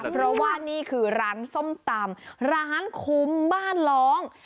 เพราะว่านี่คือร้านส้มตำร้านคุ้มบ้านร้อง